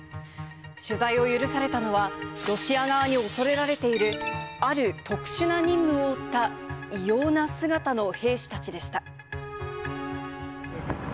取材を許されたのは、ロシア側に恐れられている、ある特殊な任務を負った、異様な姿の兵士たちでした。